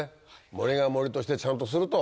森が森としてちゃんとすると。